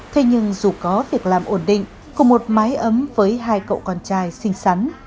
thế nhưng dù có việc làm ổn định cùng một mái ấm với hai cậu con trai xinh xắn